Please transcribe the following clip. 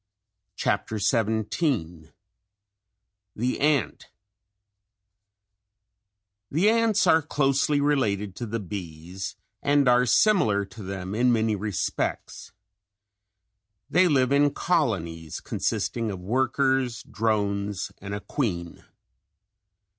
CHAPTER XVII THE ANT The ants are closely related to the bees and are similar to them in many respects. They live in colonies consisting of workers, drones, and a queen.